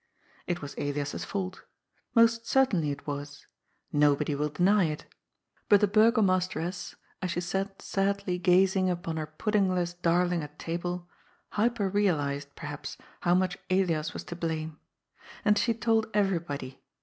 It was Elias's fault Most certainly it was. Nobody will deny it. But the Burgomasteress, as she sat sadly gaz ing upon her puddingless darling at table, hyper realized, perhaps, how much Elias was to blame. And she told every body.